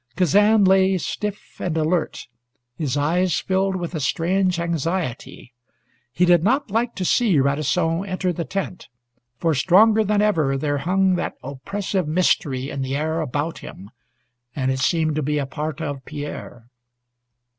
Kazan lay stiff and alert, his eyes filled with a strange anxiety. He did not like to see Radisson enter the tent, for stronger than ever there hung that oppressive mystery in the air about him, and it seemed to be a part of Pierre.